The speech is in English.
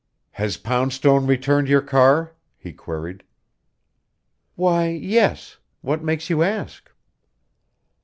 "Has Poundstone returned your car?" he queried. "Why, yes. What makes you ask?"